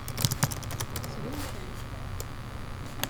Sgunfan.